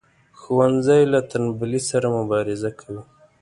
ښوونځی له تنبلی سره مبارزه کوي